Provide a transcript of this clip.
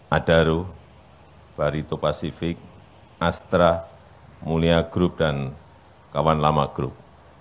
adaru barito pacific astra mulia group dan kawan lama group